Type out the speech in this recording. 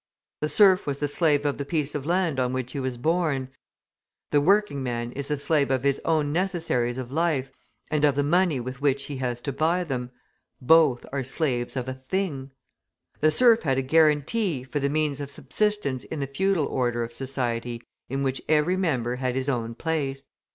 The serf was the slave of the piece of land on which he was born, the working man is the slave of his own necessaries of life and of the money with which he has to buy them both are slaves of a thing. The serf had a guarantee for the means of subsistence in the feudal order of society in which every member had his own place.